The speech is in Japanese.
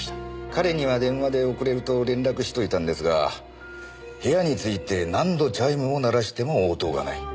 彼には電話で遅れてると連絡しといたんですが部屋に着いて何度チャイムを鳴らしても応答がない。